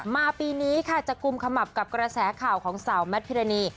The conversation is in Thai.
ปีนี้ค่ะจะกุมขมับกับกระแสข่าวของสาวแมทพิรณี